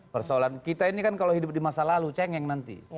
persoalan kita ini kan kalau hidup di masa lalu cengeng nanti